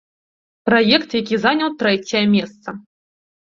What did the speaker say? Праект, які заняў трэцяе месца.